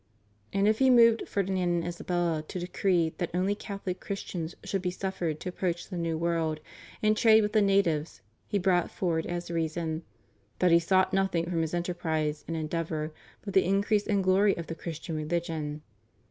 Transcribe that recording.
And if he moved Ferdinand and Isabella to decree that only Cathohc Christians should be suffered to approach the New World and trade with the natives, he brought forward as reason, "that he sought nothing from his enterprise and endeavor but the increase and glory of the Christian religion."